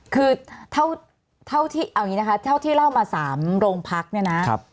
คือเท่าที่เล่ามา๓โรงพักเนี่ยนะ